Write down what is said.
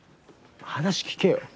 話聞けよ。